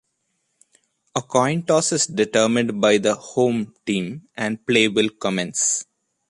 A coin toss is determined by the 'home' team and play will commence.